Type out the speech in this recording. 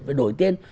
về đổi tên